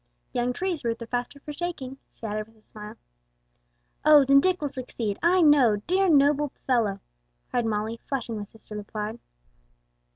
'Young trees root the faster for shaking!'" she added with a smile. "Oh then Dick will succeed, I know, dear, noble fellow!" cried Molly flushing with sisterly pride.